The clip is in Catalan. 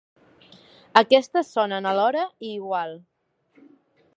Aquestes sonen alhora i igual.